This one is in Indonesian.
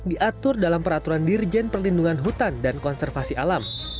diatur dalam peraturan dirjen perlindungan hutan dan konservasi alam